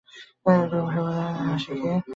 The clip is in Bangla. গুরুমহাশয় বলিলেন, হাসে কে?